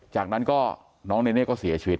จากนั้นก็น้องเนเน่ก็เสียชีวิต